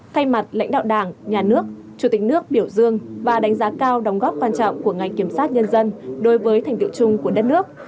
thay mặt lãnh đạo đảng nhà nước chủ tịch nước biểu dương và đánh giá cao đóng góp quan trọng của ngành kiểm sát nhân dân đối với thành tiệu chung của đất nước